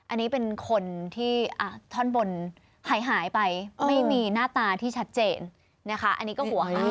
อันนี้เป็นคนที่ท่อนบนหายไปไม่มีหน้าตาที่ชัดเจนนะคะอันนี้ก็หัวให้